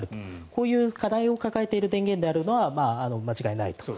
こういう課題を抱えている電源であるのは間違いないと。